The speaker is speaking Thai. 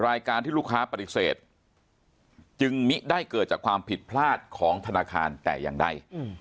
รายการที่ลูกค้าปฏิเสธจึงมิได้เกิดจากความผิดพลาดของธนาคารแต่อย่างใด